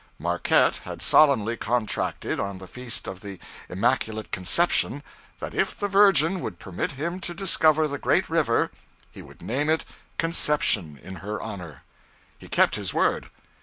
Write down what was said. Marquette had solemnly contracted, on the feast of the Immaculate Conception, that if the Virgin would permit him to discover the great river, he would name it Conception, in her honor. He kept his word.